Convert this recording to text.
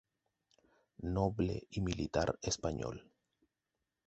Noble y militar español.